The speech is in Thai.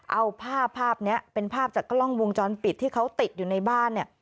เอาภาพภาพนี้เป็นภาพจากกล้องวงจรปิดที่เขาติดอยู่ในบ้านเนี่ย